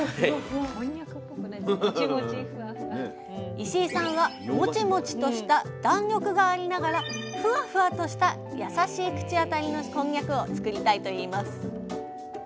石井さんはモチモチとした弾力がありながらふわふわとしたやさしい口当たりのこんにゃくを作りたいといいます。